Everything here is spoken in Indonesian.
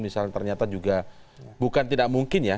misalnya ternyata juga bukan tidak mungkin ya